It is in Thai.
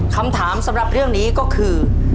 คำถามสำหรับเรื่องนี้ก็คือ